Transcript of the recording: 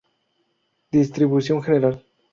Distribución general.